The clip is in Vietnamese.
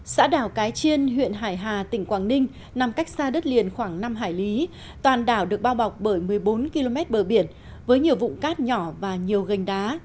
xã đảo cái chiên huyện hải hà tỉnh quảng ninh nằm cách xa đất liền khoảng năm hải lý toàn đảo được bao bọc bởi một mươi bốn km bờ biển với nhiều vụ cát nhỏ và nhiều gành đá